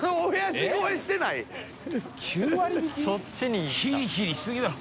飯尾）ヒリヒリしすぎだろ。